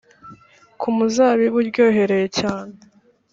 ku muzabibu uryohereye cyane